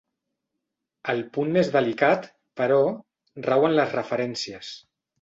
El punt més delicat, però, rau en les referències.